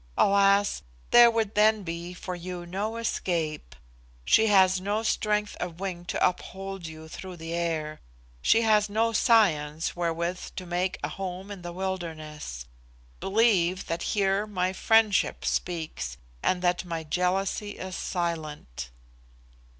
Alas! there would then be for you no escape. She has no strength of wing to uphold you through the air; she has no science wherewith to make a home in the wilderness. Believe that here my friendship speaks, and that my jealousy is silent."